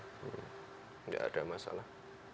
nggak ada masalah